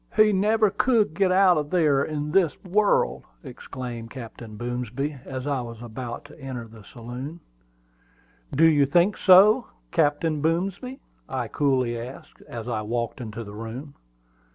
"He never could get out of there in this world!" exclaimed Captain Boomsby, as I was about to enter the saloon. "Do you think so, Captain Boomsby?" I coolly asked, as I walked into the room.